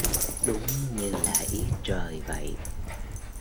Đúng như là ý trời vậy